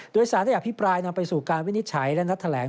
โดยสารได้อภิปรายนำไปสู่การวินิจฉัยและนัดแถลง